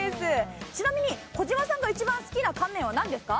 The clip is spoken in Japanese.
ちなみに、児嶋さんが一番好きな乾麺は何ですか？